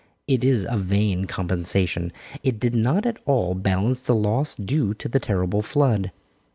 It is a vain compensation. It did not at all balance the loss due to the terrible flood.